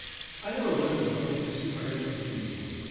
I never went home to see my own people.